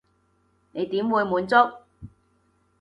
你點會滿足？